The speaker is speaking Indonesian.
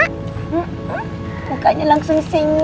dia sampai tahu loh kalau misalkan aku suka bunga ini